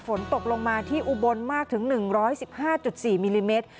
ฝนตกลงมาที่อุบลมากถึง๑๑๕๔มิลลิเมตร